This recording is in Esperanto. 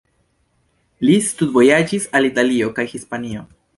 Li studvojaĝis al Italio kaj Hispanio.